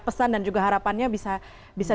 pesan dan juga harapannya bisa